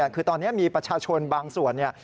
คือตอนนี้มีประชาชนบางส่วนเนี่ย